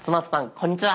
こんにちは。